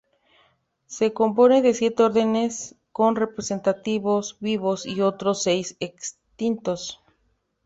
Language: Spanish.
Se compone de siete órdenes con representantes vivos y otros seis extintos.